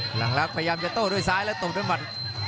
หลังลักษณ์พยายามจะโต้ด้วยซ้ายแล้วตบด้วยหมัด